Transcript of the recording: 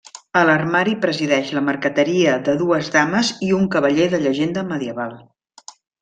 A l'armari presideix la marqueteria de dues dames i un cavaller de llegenda medieval.